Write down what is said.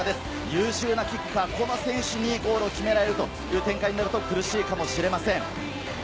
優秀なキッカー、この選手にゴールを決められると、苦しいかもしれません。